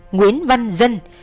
nguyễn văn dân